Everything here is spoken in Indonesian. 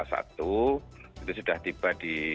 itu sudah tiba di